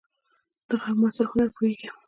د غرب معاصر هنر پوهیږئ؟